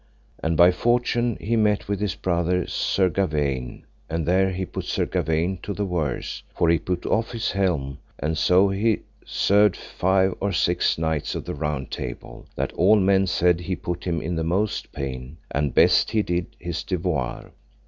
And by fortune he met with his brother Sir Gawaine, and there he put Sir Gawaine to the worse, for he put off his helm, and so he served five or six knights of the Round Table, that all men said he put him in the most pain, and best he did his devoir.